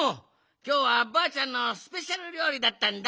きょうはばあちゃんのスペシャルりょうりだったんだ。